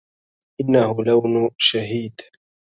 إنه لون شهيد